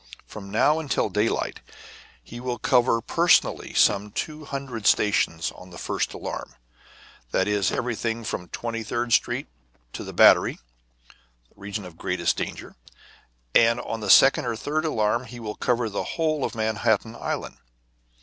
From now until daylight he will cover personally some two hundred stations on the first alarm that is, everything from Twenty third Street to the Battery, the region of greatest danger. And on the second or third alarm he will cover the whole of Manhattan Island.